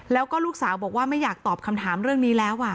แล้วก็ลูกสาวบอกว่าไม่อยากตอบคำถามเรื่องนี้แล้ว